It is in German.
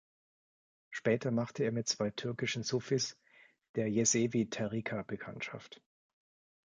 Später machte er mit zwei türkischen Sufis der Yesevi-Tariqa Bekanntschaft.